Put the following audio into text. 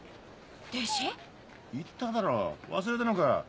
言っただろ忘れたのか？